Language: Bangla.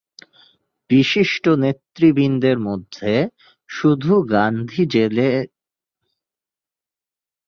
বিশিষ্ট নেতৃবৃন্দের মধ্যে শুধু গান্ধী জেলের বাইরে ছিলেন।